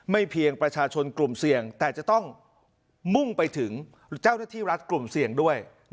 เพียงประชาชนกลุ่มเสี่ยงแต่จะต้องมุ่งไปถึงเจ้าหน้าที่รัฐกลุ่มเสี่ยงด้วย